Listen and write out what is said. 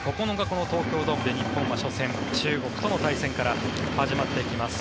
この東京ドームで日本は初戦中国との対戦から始まっていきます。